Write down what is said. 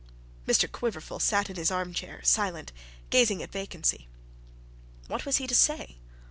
Mr Quiverful sat in his arm chair silent, gazing at vacancy. What was he to say?